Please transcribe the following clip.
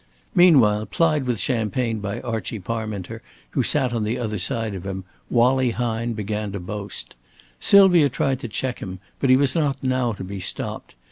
Meanwhile, plied with champagne by Archie Parminter, who sat upon the other side of him, "Wallie" Hine began to boast. Sylvia tried to check him, but he was not now to be stopped.